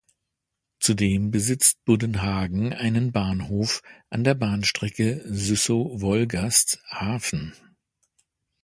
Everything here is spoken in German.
Zudem besitzt Buddenhagen einen Bahnhof an der Bahnstrecke Züssow–Wolgast Hafen.